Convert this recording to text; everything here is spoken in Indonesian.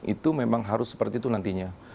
itu memang harus seperti itu nantinya